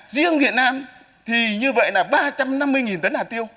riêng việt nam thì như vậy là ba trăm năm mươi tấn hạt tiêu